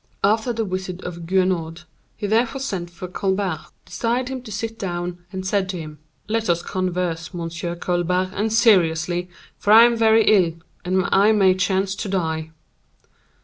After the visit of Guenaud, he therefore sent for Colbert, desired him to sit down, and said to him: "Let us converse, Monsieur Colbert, and seriously, for I am very ill, and I may chance to die."